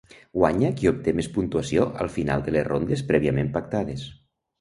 Guanya qui obté més puntuació al final de les rondes prèviament pactades.